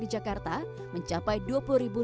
di jakarta mencapai dua puluh ribu